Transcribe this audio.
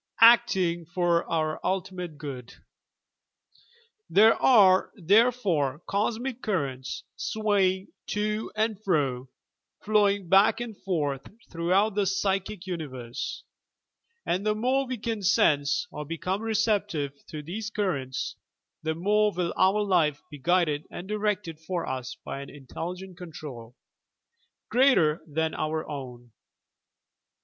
ACTING FOB OUR ta/TIMATE GOOD There are, therefore, Cosmic Currents swaying to and fro, flowing back and forth throughout the Psychic Uni verse, and the more we can "sense" or become receptive to these currents, the more will our life be guided and directed for us by an Intelligent Control, greater than our own.